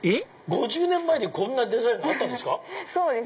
５０年前にこんなデザインがあったんですか⁉そうです。